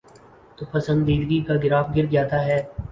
توپسندیدگی کا گراف گر جاتا ہے۔